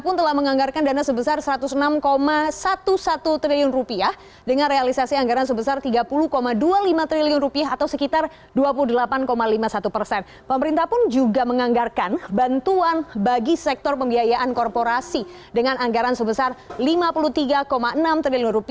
pemerintah pun juga menganggarkan bantuan bagi sektor pembiayaan korporasi dengan anggaran sebesar rp lima puluh tiga enam triliun